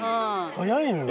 速いんだ。